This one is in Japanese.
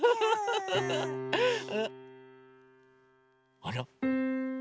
あら？